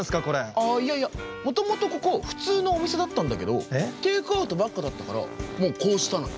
あいやいやもともとここふつうのお店だったんだけどテイクアウトばっかだったからもうこうしたのよ。